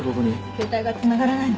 携帯が繋がらないの。